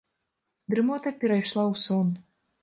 Дрымота перайшла ў сон.